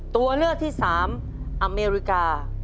ตัวเลือกที่๓อเมริกา